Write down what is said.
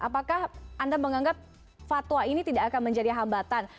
apakah anda menganggap fatwa ini tidak akan menjadi hambatan